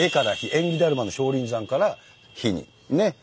「縁起だるまの少林山」から「ひ」にね。